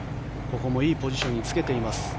ここもいいポジションにつけています